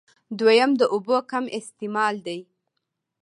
دويم د اوبو کم استعمال دی